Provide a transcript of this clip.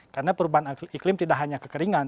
karena perubahan iklim tidak hanya kekeringan